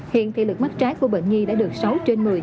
hiện thị lực mắt trái của bệnh nhi đã được sáu trên một mươi